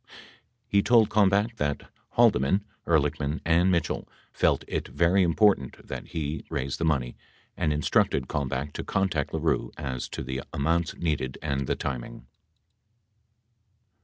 He told Kalmbach that Haldeman, Ehrlichman and Mitchell felt it very important that he raise the money and instructed Kalmbach to contact LaRue as to the amounts needed and the timing.